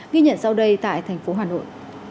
ghi nhận sau đây tại thành phố hà nội